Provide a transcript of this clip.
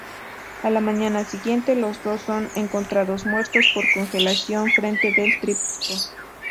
A la mañana siguiente, los dos son encontrados muertos por congelación enfrente del tríptico.